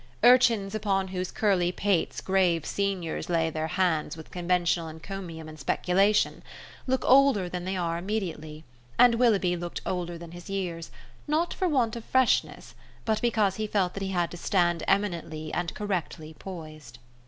Urchins upon whose curly pates grave seniors lay their hands with conventional encomium and speculation, look older than they are immediately, and Willoughby looked older than his years, not for want of freshness, but because he felt that he had to stand eminently and correctly poised.